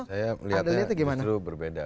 saya melihatnya justru berbeda